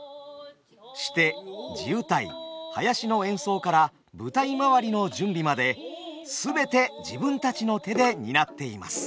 シテ地謡囃子の演奏から舞台まわりの準備まで全て自分たちの手で担っています。